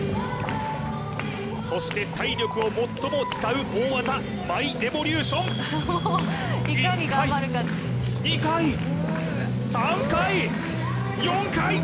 そして体力を最も使う大技舞レボリューション１回２回３回４回！